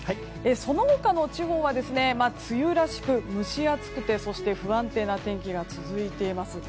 その他の地方は梅雨らしく蒸し暑くてそして不安定な天気が続いています。